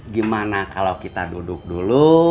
gimana kalau kita duduk dulu